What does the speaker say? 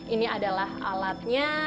ini adalah alatnya